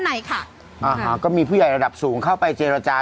ในค่ะอ่าฮะก็มีผู้ใหญ่ระดับสูงเข้าไปเจรจา